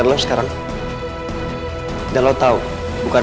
tapi apakah ini menyebabkan